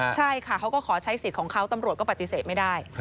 ใช่ค่ะเขาก็ขอใช้สิทธิ์ของเขาตำรวจก็ปฏิเสธไม่ได้